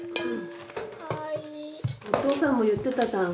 お父さんも言ってたじゃん。